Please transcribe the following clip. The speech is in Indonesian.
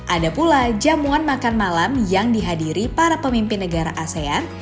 ada pula jamuan makan malam yang dihadiri para pemimpin negara asean